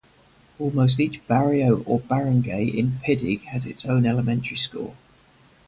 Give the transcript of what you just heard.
Almost each barrio or barangay in Piddig has its own elementary school.